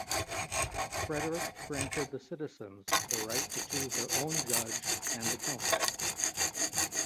Frederick granted the citizens the right to choose their own judge and the council.